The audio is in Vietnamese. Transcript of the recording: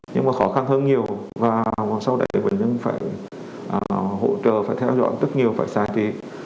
nhưng mà khó khăn hơn nhiều và sau đấy bệnh nhân phải hỗ trợ phải theo dõi rất nhiều phải sáng chế